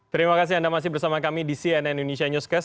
terima kasih anda masih bersama kami di cnn indonesia newscast